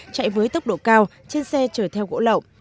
chạy với tốc độ cao trên xe chở theo gỗ lậu